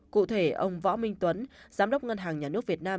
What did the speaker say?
cụ thể ông võ minh tuấn giám đốc ngân hàng nhà nước việt nam